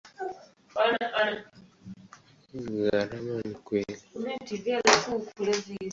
Gharama ni kubwa sana.